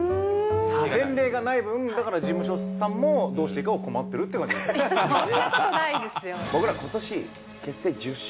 前例がない分、だから事務所さんもどうしていいかを困ってるっていう感じですね。